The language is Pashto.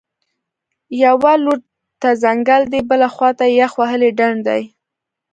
یوه لور ته ځنګل دی، بلې خوا ته یخ وهلی ډنډ دی